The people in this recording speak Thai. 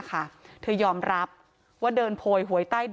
ความปลอดภัยของนายอภิรักษ์และครอบครัวด้วยซ้ำ